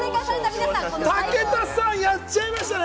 武田さん、やっちゃいましたね！